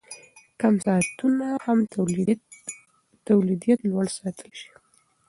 کم ساعتونه هم تولیدیت لوړ ساتلی شي.